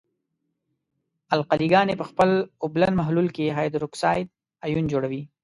القلې ګاني په خپل اوبلن محلول کې هایدروکساید آیون جوړوي.